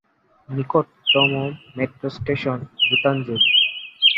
নিকটতম metro station Gitanjali.